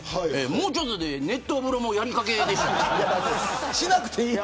もう少しで熱湯風呂もやりかけました。